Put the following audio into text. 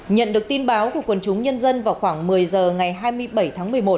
nhận được tin báo của quần chúng nhân dân vào khoảng một mươi h ngày hai mươi bảy tháng một mươi một